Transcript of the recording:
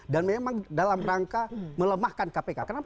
dan memang dalam rangka melemahkan kpk kenapa saya menyebutnya